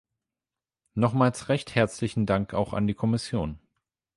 Nochmals recht herzlichen Dank auch an die Kommission.